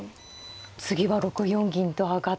次は６四銀と上がって。